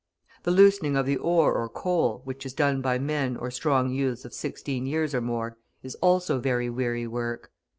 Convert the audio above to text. The loosening of the ore or coal, which is done by men or strong youths of sixteen years or more, is also very weary work.